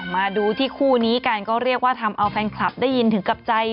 มาดูที่คู่นี้กันก็เรียกว่าทำเอาแฟนคลับได้ยินถึงกับใจ